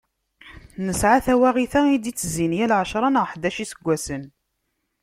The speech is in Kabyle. Nesεa tawaɣit-a i d-itezzin yal ɛecṛa neɣ ḥdac n yiseggasen.